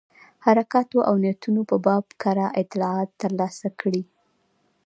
حرکاتو او نیتونو په باب کره اطلاعات ترلاسه کړي.